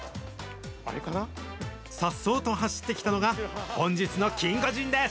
さっそうと走ってきたのが、本日のキンゴジンです。